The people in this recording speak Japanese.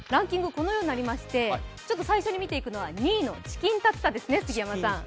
このようになりまして最初に見ていくのは２位のチキンタツタですね。